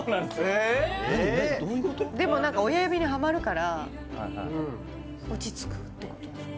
でも何か親指にハマるから落ち着くってことですか？